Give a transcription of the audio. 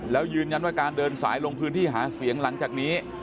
แล้วยืนยันว่าการเดินสายลงพื้นที่หาเสียงหลังจากนี้